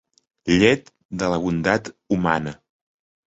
Llet de la bondat humana